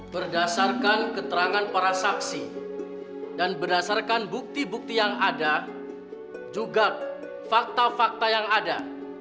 berdasarkan keterangan para saksi dan berdasarkan bukti bukti yang ada juga fakta fakta yang ada